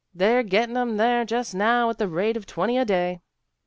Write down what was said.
They're getting 'em there just now at the rate of twenty a day."